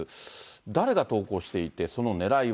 誰が投稿していて、そのねらいは。